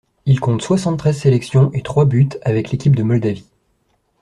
Il compte soixante-treize sélections et trois buts avec l'équipe de Moldavie.